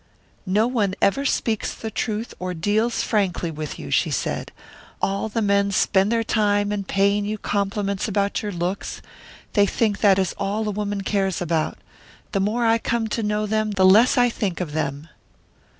'No one ever speaks the truth or deals frankly with you,' she said. 'All the men spend their time in paying you compliments about your looks. They think that is all a woman cares about. The more I come to know them, the less I think of them.'"